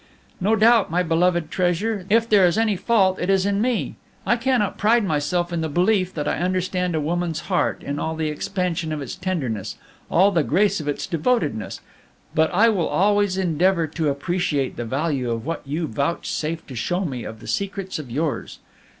"No doubt, my beloved treasure, if there is any fault, it is in me. I cannot pride myself in the belief that I understand a woman's heart, in all the expansion of its tenderness, all the grace of its devotedness; but I will always endeavor to appreciate the value of what you vouchsafe to show me of the secrets of yours.